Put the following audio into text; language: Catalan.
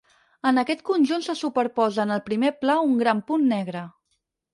En aquest conjunt se superposa en el primer pla un gran punt negre.